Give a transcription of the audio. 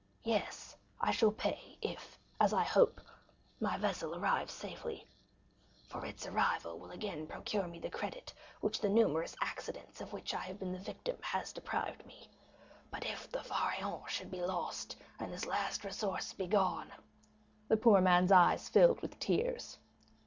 Yes, I shall pay, if, as I hope, my vessel arrives safely; for its arrival will again procure me the credit which the numerous accidents, of which I have been the victim, have deprived me; but if the Pharaon should be lost, and this last resource be gone——" The poor man's eyes filled with tears.